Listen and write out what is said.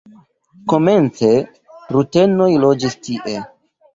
Komence rutenoj loĝis tie.